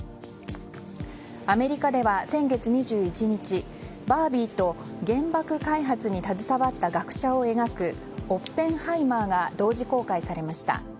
アメリカでは先月２１日「バービー」と原爆開発に携わった学者を描く「オッペンハイマー」が同時公開されました。